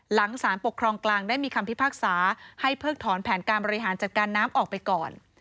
หลังสารปกครองกลางได้มีคำพิพากษาให้เพิกถอนแผนการบริหารจัดการน้ำออกไปก่อน